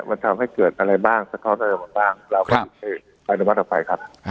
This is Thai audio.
มันทำให้เกิดอะไรบ้างสักครอบครับครับครับ